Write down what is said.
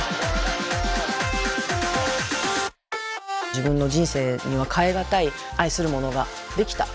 自分の人生には代え難い愛するものができた。